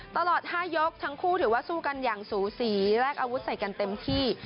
ตลอด๕ยกทั้งคู่ถือว่าสู้กันอย่างสูสีแลกอาวุธใส่กันเต็มที่